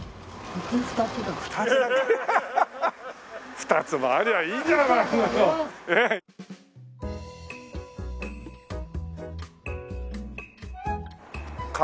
２つもありゃいいじゃないのよ。